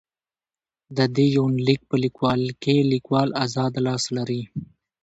د دې يونليک په ليکلوکې ليکوال اذاد لاس لري.